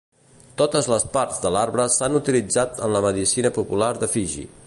Totes les parts de l'arbre s'han utilitzat en la medicina popular de Fiji.